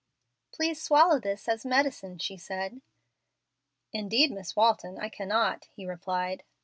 "Please swallow this as medicine," she said. "Indeed, Miss Walton, I cannot," he replied.